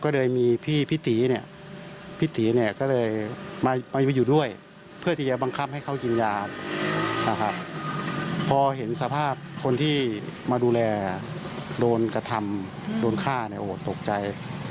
โดนฆ่าโหตกใจ